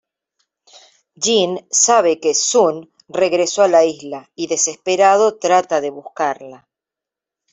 Jin sabe que Sun regresó a la isla y desesperado trata de buscarla.